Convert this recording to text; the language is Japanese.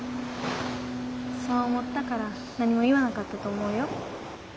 そう思ったから何も言わなかったと思うよ。